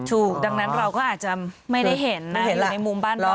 ถูกดังนั้นเราก็อาจจะไม่ได้เห็นนะเห็นอยู่ในมุมบ้านเรา